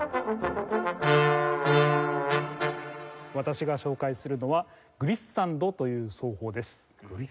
私が紹介するのはグリッサンドという奏法です。